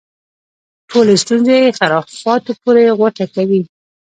ټولې ستونزې خرافاتو پورې غوټه کوي.